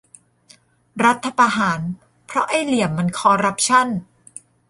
รัฐประหารเพราะไอ้เหลี่ยมมันคอรัปชั่น !